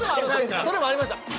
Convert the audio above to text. それもありました。